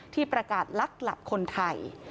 ที่ประกาศลักหลับคนไทย